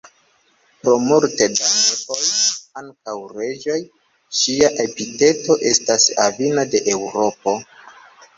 Pro multe da nepoj, ankaŭ reĝoj, ŝia epiteto estas: "Avino de Eŭropo".